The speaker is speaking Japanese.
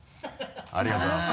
ありがとうございます。